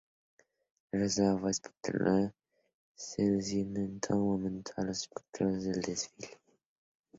El resultado fue espectacular, seduciendo en todo momento a los espectadores del desfile.